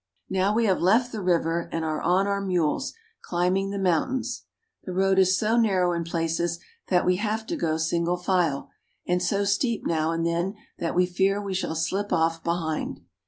Now we have left the river and are on our mules, climb ing the mountains. The road is so narrow in places that we have to go single file, and so steep now and then that we fear we shall slip off" behind.